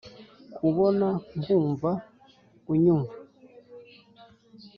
kubona nkumva unyumva